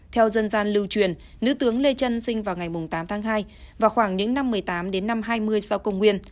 theo dân gian lưu truyền nữ tướng lê trân sinh vào ngày tám tháng hai và khoảng những năm một mươi tám đến năm hai mươi sau công nguyên